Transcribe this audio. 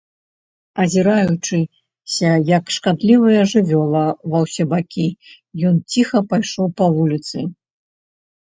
Азіраючыся, як шкадлівая жывёла, ва ўсе бакі, ён ціха пайшоў па вуліцы.